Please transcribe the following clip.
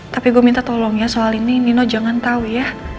tapi gue minta tolong ya soal ini nino jangan tahu ya